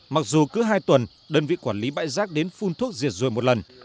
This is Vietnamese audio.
mặc dù cứ hai tuần đơn vị quản lý bãi giác đến phun thuốc diệt rùi một lần